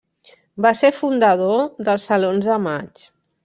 Va ser fundador dels Salons de Maig.